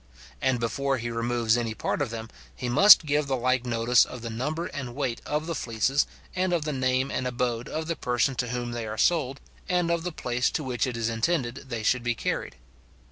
And before he removes any part of them, he must give the like notice of the number and weight of the fleeces, and of the name and abode of the person to whom they are sold, and of the place to which it is intended they should be carried.